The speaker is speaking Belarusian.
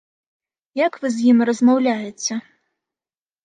Як вы з ім размаўляеце?